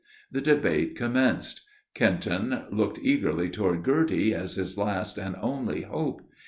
The debate commenced. Kenton looked eagerly toward Girty, as his last and only hope.